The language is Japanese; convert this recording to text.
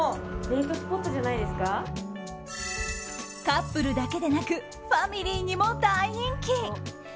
カップルだけでなくファミリーにも大人気。